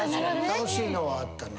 楽しいのはあったな。